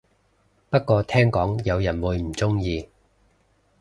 不過聽講有人會唔鍾意